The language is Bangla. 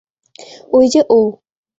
ওই যে ও!